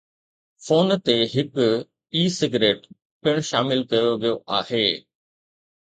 phone تي هڪ "e cigarette" پڻ شامل ڪيو ويو آهي